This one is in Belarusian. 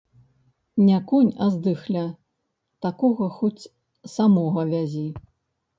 Не конь, а здыхля, такога хоць самога вязі.